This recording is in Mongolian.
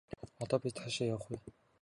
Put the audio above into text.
Одоо бид хаашаа явах вэ?